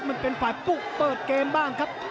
มันเป็นฝ่ายปุ๊กเปิดเกมบ้างครับ